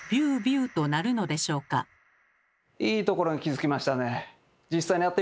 いいところに気付きましたね。